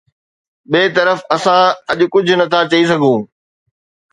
ٻئي طرف اسان اڄ ڪجهه نٿا چئي سگهون